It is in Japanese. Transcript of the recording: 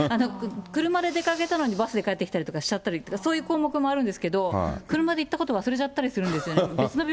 車で出かけたのにバスで帰ってきたりとかしちゃったり、そういう項目もあるんですけど、車で行ったこと忘れちゃったりするんですよね。